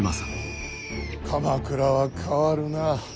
鎌倉は変わるな。